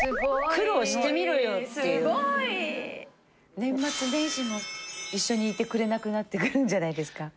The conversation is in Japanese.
年末年始も一緒にいてくれなくなってくるんじゃないですか？